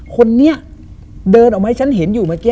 คนนี้เดินออกมาให้ฉันเห็นอยู่เมื่อกี้